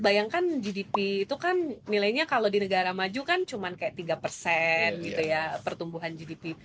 bayangkan gdp itu kan nilainya kalau di negara maju kan cuma kayak tiga persen gitu ya pertumbuhan gdp